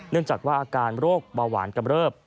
เนื่องจากว่าอาการโรคเบาหวานกำเริบ